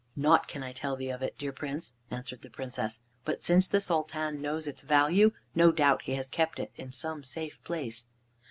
"Naught can I tell thee of it, dear Prince," answered the Princess, "but since the Sultan knows its value, no doubt he has kept it in some safe place."